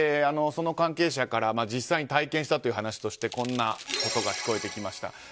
その関係者から実際に体験したという話としてこんなことが聞こえてきました。